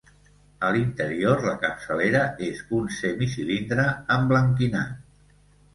A l'interior, la capçalera és un semicilindre emblanquinat.